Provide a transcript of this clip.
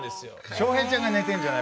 翔平さんが寝てるんじゃない。